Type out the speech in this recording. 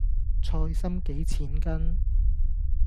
菜芯幾錢斤？